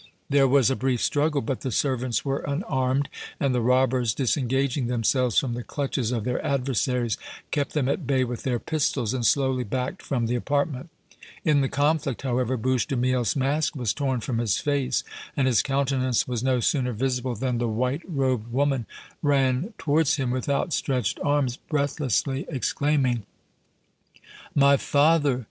There was a brief struggle, but the servants were unarmed, and the robbers, disengaging themselves from the clutches of their adversaries, kept them at bay with their pistols and slowly backed from the apartment. In the conflict, however, Bouche de Miel's mask was torn from his face, and his countenance was no sooner visible than the white robed woman ran towards him with outstretched arms, breathlessly exclaiming: "My father!